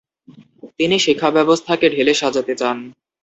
তিনি শিক্ষাব্যবস্থাকে ঢেলে সাজাতে চান।